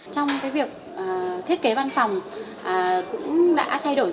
trong cái việc thiết kế văn phòng cũng đã thay đổi